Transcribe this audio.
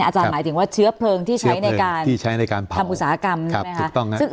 อาจารย์หมายถึงว่าเชื้อเพลิงที่ใช้ในการทำอุตสาหกรรมใช่ไหมคะ